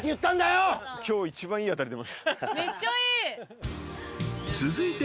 めっちゃいい。